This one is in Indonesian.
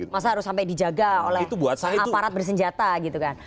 masa harus sampai dijaga oleh aparat bersenjata gitu kan